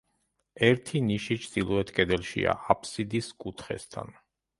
ერთი ნიში ჩრდილოეთ კედელშია, აფსიდის კუთხესთან.